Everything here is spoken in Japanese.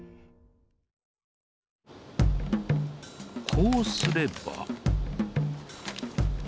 こうすれば。